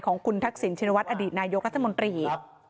ของคุณทักษิณชินวัฒนอดีตนายกรัฐมนตรี